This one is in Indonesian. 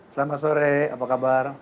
selamat sore apa kabar